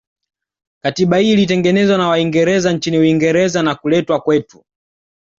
Katiba hii ilitengenezwa na waingereza nchini Uingereza na kuletwa kwetu